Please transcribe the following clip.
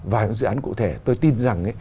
và những dự án cụ thể tôi tin rằng